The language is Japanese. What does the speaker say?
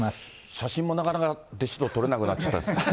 写真もなかなか弟子と撮れなくなっちゃったですか。